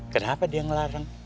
kenapa dia ngelarang